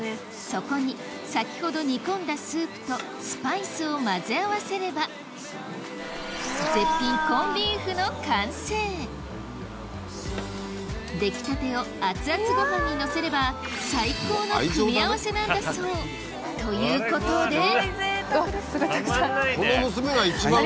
そこに先ほど煮込んだスープとスパイスを混ぜ合わせれば出来たてをアツアツご飯にのせれば最高の組み合わせなんだそうということでうわ